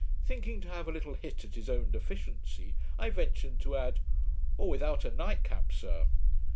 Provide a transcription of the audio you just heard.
Thinking to have a little hit at his own deficiency, I ventured to add, 'or without a night cap, sir'.